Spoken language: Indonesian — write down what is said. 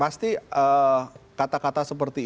pasti kata kata seperti